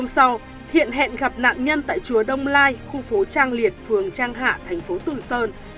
sau thiện hẹn gặp nạn nhân tại chùa đông lai khu phố trang liệt phường trang hạ thành phố tử sơn